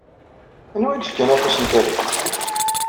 Anwa i yefkan afus n tallalt?